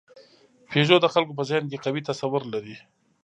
پيژو د خلکو په ذهن کې قوي تصور لري.